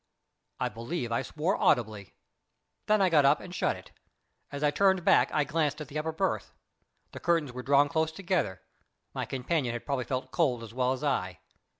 I believe I swore audibly. Then I got up and shut it. As I turned back I glanced at the upper berth. The curtains were drawn close together; my companion had probably felt cold as well as I.